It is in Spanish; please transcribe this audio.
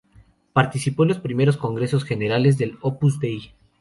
Participó en los primeros Congresos Generales del Opus Dei.